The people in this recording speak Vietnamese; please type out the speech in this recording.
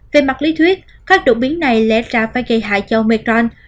về mặt lý thuyết các đột biến này lẽ ra phải gây hại cho mekong